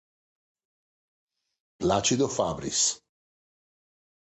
Placido Fabris